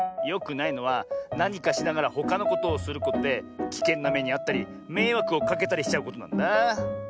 よくないのはなにかしながらほかのことをすることできけんなめにあったりめいわくをかけたりしちゃうことなんだなあ。